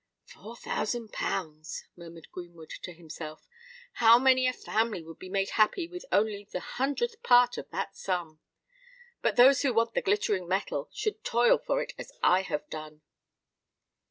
"Four thousand pounds!" murmured Greenwood to himself. "How many a family would be made happy with only the hundredth part of that sum! But those who want the glittering metal should toil for it as I have done."